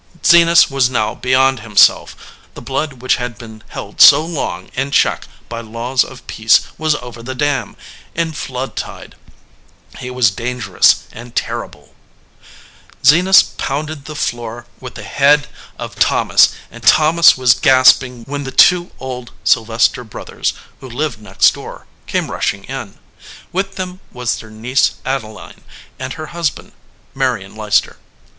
Zenas was now beyond himself. The blood which had been held so long in check by laws of peace was over the dam, in flood tide. He was dangerous and terrible. Zenas pounded the floor with the head of Thomas, and Thomas was gasping when the two old Sylvester brothers, who lived next door, came rushing in. With them was their niece Adeline and her husband, Marion Leicester.